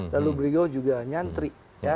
lalu beliau juga nyantri